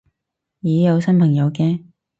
咦有新朋友嘅